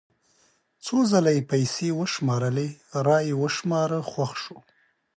څو ځله یې پیسې وشمارلې را یې وشماره خوښ شو.